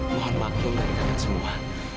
mohon maaf belum dari kakak semua